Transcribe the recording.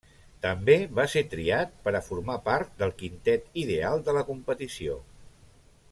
També va ser triat per a formar part del quintet ideal de la competició.